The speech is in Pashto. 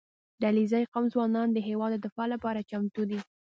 • د علیزي قوم ځوانان د هېواد د دفاع لپاره چمتو دي.